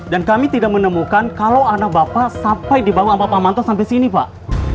dan kami tidak menemukan kalau anak bapak sampai dibawa sama pak manto sampai sini pak